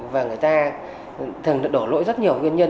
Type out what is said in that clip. và người ta thường đổ lỗi rất nhiều